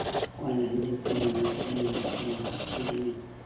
خوړل د کورنۍ سره یو ځای وخت تېروي